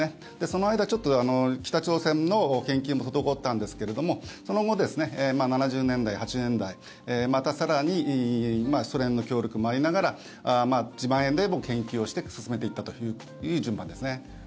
その間、ちょっと北朝鮮の研究も滞ったんですけれどもその後、７０年代、８０年代また更にソ連の協力もありながら自前でも研究をして進めていったという順番ですね。